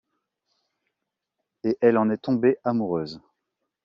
Et elle en est tombée amoureuse.